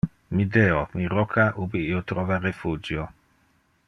Mi Deo, mi rocca ubi io trova refugio.